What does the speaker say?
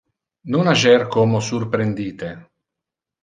Non ager como surprendite.